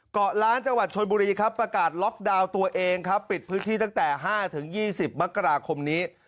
เกาะล้านจังหวัดชนบุรีครับประกาศล็อกดาวน์ตัวเองครับปิดพื้นที่ตั้งแต่๕๒๐มกราคมนี้